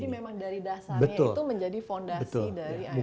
jadi memang dari dasarnya itu menjadi fondasi dari iif sendiri